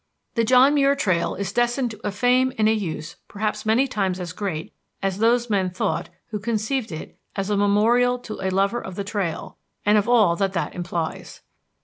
The John Muir Trail is destined to a fame and a use perhaps many times as great as those men thought who conceived it as a memorial to a lover of the trail, and of all that that implies.